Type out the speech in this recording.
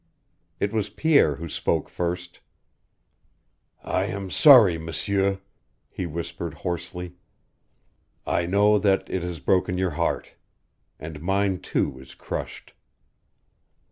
It was Pierre who spoke first. "I am sorry, M'sieur," he whispered, hoarsely. "I know that it has broken your heart. And mine, too, is crushed."